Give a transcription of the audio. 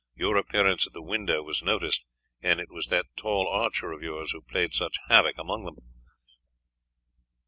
Your appearance at the window was noticed, and it was that tall archer of yours who played such havoc among them.